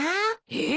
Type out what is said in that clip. えっ？